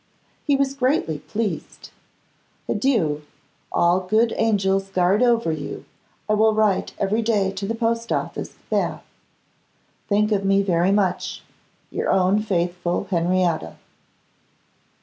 He was greatly pleased. Adieu! All good angels guard over you. I will write every day to the post office, Bath. Think of me very much. Your own faithful Henrietta.